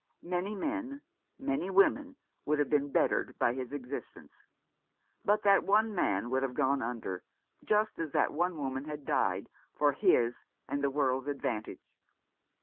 Many men, many women, would have been bettered by his existence ; but that one man would have gone under, just as that one woman had died, for his and the world's advantage.